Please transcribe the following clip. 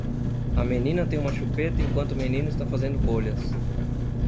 A menina tem uma chupeta enquanto o menino está fazendo bolhas